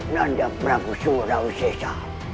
dan jamin aku semua daun sisa